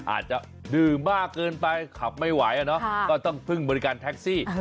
อาจจะดื่มมากเกินไปขับไม่ไหวก็ต้องพึ่งบริการแท็กซี่